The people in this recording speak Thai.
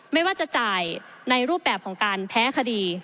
ไม่ว่าจะจ่ายในรูปแบบของการแพ้คดี